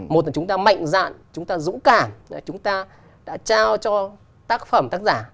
một là chúng ta mạnh dạn chúng ta dũ cảm chúng ta đã trao cho tác phẩm tác giả